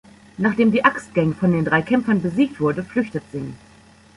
Nachdem die „Axt-Gang“ von den drei Kämpfern besiegt wurde, flüchtet Sing.